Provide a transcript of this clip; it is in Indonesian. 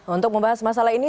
untuk membahas masalah ini